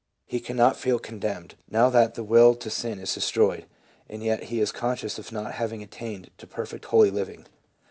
He cannot feel condemned now that the will to sin is destroyed, and yet he is conscious of not having attained to perfect holy living.